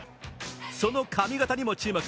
その髪形にも注目。